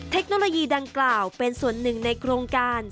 เทคโนโลยีดังกล่าวเป็นส่วนหนึ่งในโครงการ